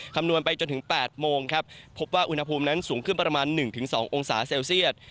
คำนวณไปจนถึง๘โมงครับพบว่าอุณหภูมินั้นสูงขึ้นประมาณ๑๒องศาเซลเซียต